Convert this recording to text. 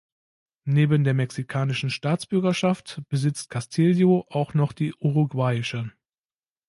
Neben der mexikanischen Staatsbürgerschaft besitzt Castillo auch noch die uruguayische.